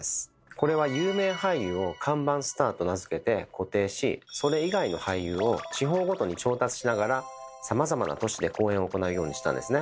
これは有名俳優を看板スターと名付けて固定しそれ以外の俳優を地方ごとに調達しながらさまざまな都市で公演を行うようにしたんですね。